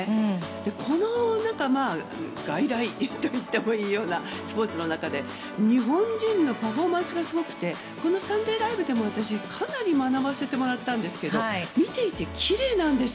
この外来といってもいいようなスポーツの中で日本人のパフォーマンスがすごくて「サンデーＬＩＶＥ！！」でも私かなり学ばせてもらったんですけど見ていてきれいなんです。